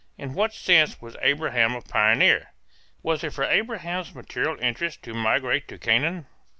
In what sense was Abraham a pioneer? Was it for Abraham's material interest to migrate to Canaan?